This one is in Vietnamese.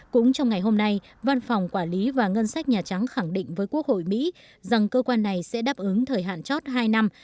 cũng trong ngày hôm nay văn phòng quản lý và ngân sách nhà trắng khẳng định với quốc hội mỹ rằng cơ quan này sẽ đáp ứng thời hạn chót hai năm